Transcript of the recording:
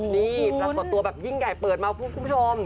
นี่ลักษณ์ตัวแบบยิ่งใหญ่เปิดมาครับคุณผู้ชม